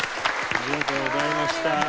ありがとうございます。